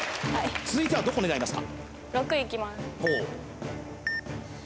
続いてはどこ狙いますか？